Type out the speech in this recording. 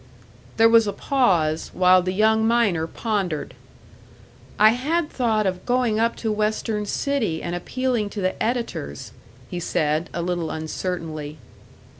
There was a pause, while the young miner pondered. "I had thought of going up to Western City and appealing to the editors," he said, a little uncertainly.